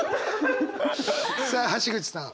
さあ橋口さん。